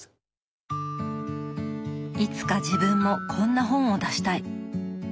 「いつか自分もこんな本を出したい」。